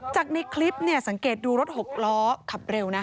จากในคลิปสังเกตดูรถหกล้อขับเร็วนะ